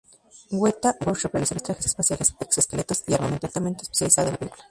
Weta Workshop realizó los trajes espaciales, exoesqueletos y armamento altamente especializados de la película.